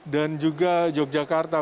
dan juga yogyakarta